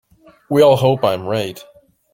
We all hope I am right.